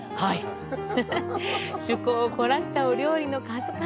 趣向を凝らしたお料理の数々。